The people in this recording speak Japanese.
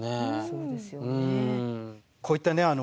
そうですよね。